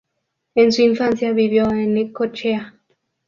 En su infancia vivió en Necochea.